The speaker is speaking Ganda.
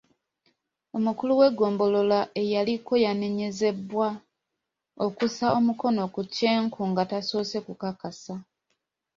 Omukulu w'eggombolola eyaliko yanenyezebwa okussa omukono ku cheque nga tasoose kukakasa.